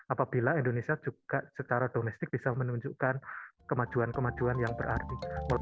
apabila indonesia juga secara domestik bisa menunjukkan kemajuan kemajuan yang berarti